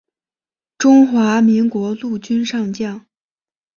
中华民国陆军上将。